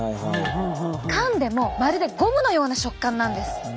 かんでもまるでゴムのような食感なんです。